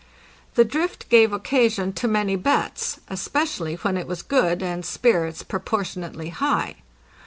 The drift gave occasion to many bets, especially when it was good, and spirits proportionately high.